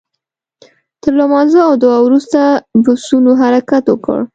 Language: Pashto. تر لمانځه او دعا وروسته بسونو حرکت وکړ.